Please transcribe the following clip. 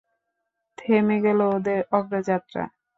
থেমে গেল ওদের অগ্রযাত্রা।